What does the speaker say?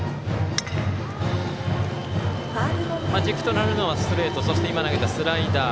軸となるのはストレートそして今投げたスライダー。